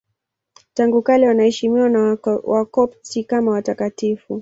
Tangu kale wanaheshimiwa na Wakopti kama watakatifu.